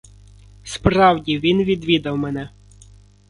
Справді, він відвідав мене.